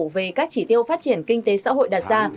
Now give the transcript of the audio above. về các chỉ tiêu phát triển kinh tế xã hội đặt ra